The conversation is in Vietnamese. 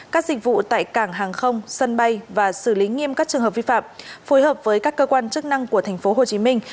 các dịch vụ tại cảng hàng không sân bay và xử lý nghiêm các trường hợp vi phạm phối hợp với các cơ quan chức năng của thành phố hồ chí minh